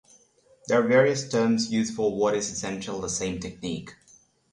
There are various terms used for what is essentially the same technique.